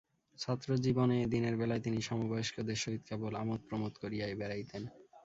ছাত্রজীবনে দিনের বেলায় তিনি সমবয়স্কদের সহিত কেবল আমোদপ্রমোদ করিয়াই বেড়াইতেন।